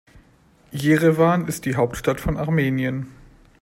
Jerewan ist die Hauptstadt von Armenien.